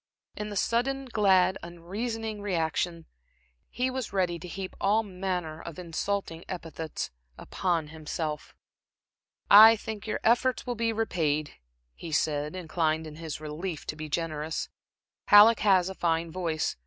In the sudden, glad, unreasoning reaction, he was ready to heap all manner of insulting epithets upon himself. "I think your efforts will be repaid," he said, inclined in his relief to be generous. "Halleck has a fine voice.